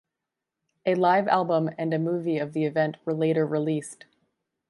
A live album and a movie of the event were later released.